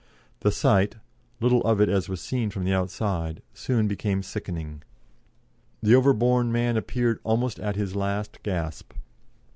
The sight little of it as was seen from the outside soon became sickening. The overborne man appeared almost at his last gasp.